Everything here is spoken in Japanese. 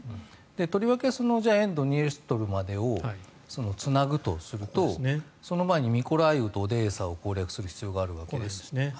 とりわけじゃあ沿ドニエストルまでをつなぐとするとその前にミコライウとオデーサを攻略する必要があるわけですね。